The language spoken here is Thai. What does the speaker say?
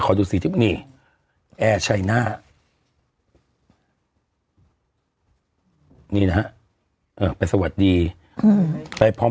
ขอดูสี่เชื้อพิงนี่แอร์ชัยน่านี่นะฮะเอ่อไปสวัสดีไปพร้อม